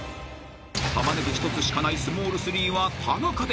［玉ねぎ１つしかないスモール３は田中で］